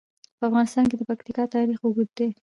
په افغانستان کې د پکتیکا تاریخ اوږد دی.